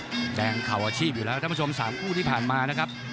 แดงเข่าอาชีพอยู่แล้วท่านผู้ชม๓คู่ที่ผ่านมานะครับ